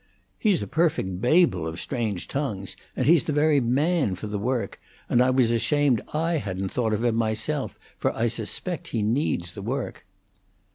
"He's a perfect Babel of strange tongues; and he's the very man for the work, and I was ashamed I hadn't thought of him myself, for I suspect he needs the work."